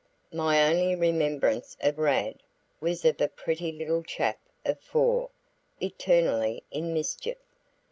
My only remembrance of Rad was of a pretty little chap of four, eternally in mischief.